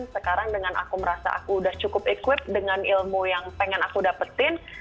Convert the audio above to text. sekarang dengan aku merasa aku udah cukup equip dengan ilmu yang pengen aku dapetin